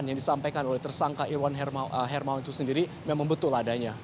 dan juga diperhatikan oleh tersangka irwan hermaw itu sendiri memang betul adanya